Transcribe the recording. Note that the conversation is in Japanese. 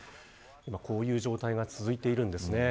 今こういう状態が続いているんですね。